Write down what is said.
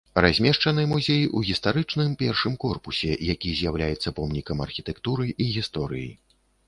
Размешчаны музей у гістарычным першым корпусе, які з'яўляецца помнікам архітэктуры і гісторыі.